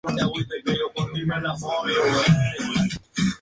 Son municipios pertenecientes a las merindades de Estella, de Olite y Tudela.